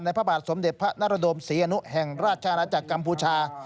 พระบาทสมเด็จพระนรดมศรีอนุแห่งราชอาณาจักรกัมพูชา